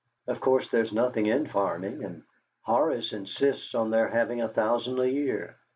Of course, there's nothing in farming, and Horace insists on their having a thousand a year.